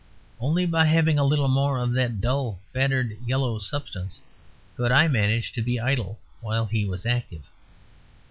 Only by having a little more of that dull, battered yellow substance could I manage to be idle while he was active.